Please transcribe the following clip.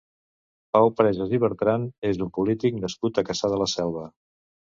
Pau Presas i Bertran és un polític nascut a Cassà de la Selva.